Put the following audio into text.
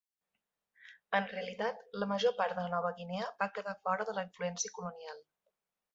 En realitat la major part de Nova Guinea va quedar fora de la influència colonial.